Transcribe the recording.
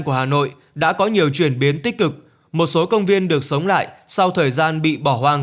của hà nội đã có nhiều chuyển biến tích cực một số công viên được sống lại sau thời gian bị bỏ hoang